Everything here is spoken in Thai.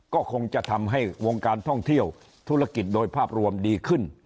ก็คงจะทำให้วงการท่องเที่ยวธุรกิจโดยภาพรวมดีขึ้น